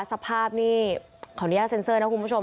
สภาพนี่ขออนุญาตเซ็นเซอร์นะคุณผู้ชม